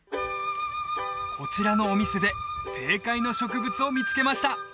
こちらのお店で正解の植物を見つけました